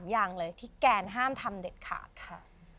อย่างเลยที่แกนห้ามทำเด็ดขาดค่ะ